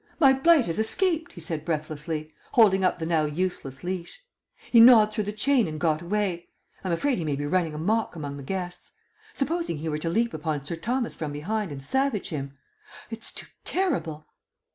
"My blight has escaped," he said breathlessly, holding up the now useless leash. "He gnawed through the chain and got away. I'm afraid he may be running amok among the guests. Supposing he were to leap upon Sir Thomas from behind and savage him it's too terrible."